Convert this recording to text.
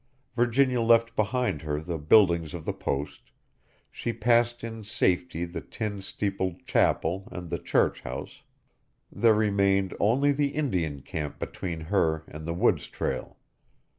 Virginia left behind her the buildings of the Post, she passed in safety the tin steepled chapel and the church house; there remained only the Indian camp between her and the woods trail.